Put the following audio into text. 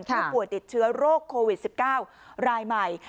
ผู้ป่วยติดเชื้อโรคโควิด๑๙รายใหม่